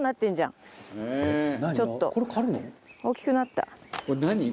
ちょっと大きくなった。